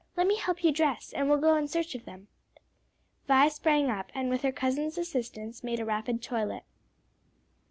"Let me help you dress, and we'll go in search of them." Vi sprang up, and with her cousin's assistance made a rapid toilet.